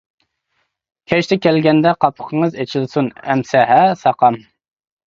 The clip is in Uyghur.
كەچتە كەلگەندە قاپىقىڭىز ئېچىلسۇن ئەمىسە ھە ساقام.